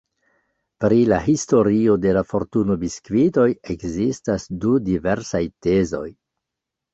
Pri la historio de la fortuno-biskvitoj ekzistas du diversaj tezoj.